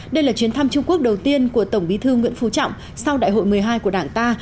đây là chuyến thăm trung quốc đầu tiên của tổng bí thư nguyễn phú trọng sau đại hội một mươi hai của đảng ta